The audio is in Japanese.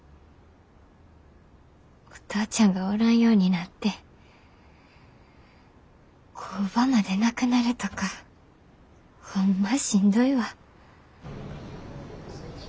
お父ちゃんがおらんようになって工場までなくなるとかホンマしんどいわ。